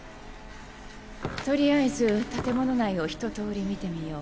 とりあえず建物内をひととおり見てみよう。